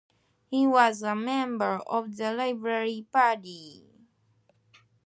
He was a member of the Liberal Party.